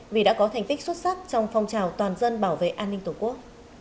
vì đã có thành tích xuất sắc trong phong trào toàn dân bảo vệ an ninh tổ quốc